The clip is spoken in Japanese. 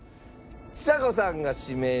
ちさ子さんが指名した。